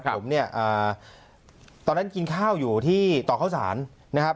ผมเนี่ยตอนนั้นกินข้าวอยู่ที่ต่อข้าวสารนะครับ